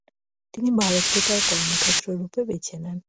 তিনি ভারতকে তাঁর কর্মক্ষেত্ররূপে বেছে নেন।